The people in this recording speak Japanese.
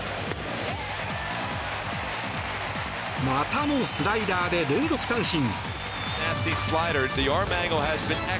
またもスライダーで連続三振。